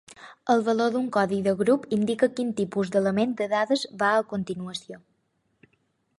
El valor d'un codi de grup indica quin tipus d'element de dades va a continuació.